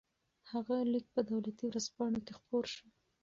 هغه لیک په دولتي ورځپاڼو کې خپور شو.